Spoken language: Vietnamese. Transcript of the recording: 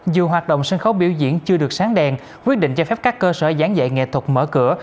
dù hoạt động sân khấu biểu diễn chưa được sáng đèn quyết định cho phép các cơ sở giảng dạy nghệ thuật mở cửa